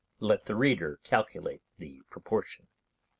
Let the reader calculate the proportion.